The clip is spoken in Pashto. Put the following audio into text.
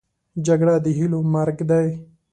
جګړه د هیلو مرګ دی